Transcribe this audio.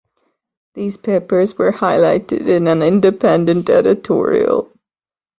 These papers were highlighted in an independent editorial.